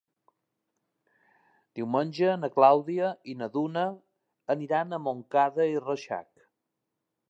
Diumenge na Clàudia i na Duna aniran a Montcada i Reixac.